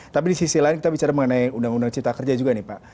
tapi di sisi lain kita bicara mengenai undang undang cipta kerja juga nih pak